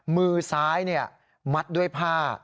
มือซ้ายมัดด้วยผ้า